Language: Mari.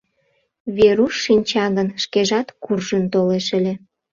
Веруш шинча гын, шкежат куржын толеш ыле.